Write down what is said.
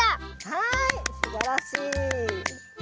はいすばらしい！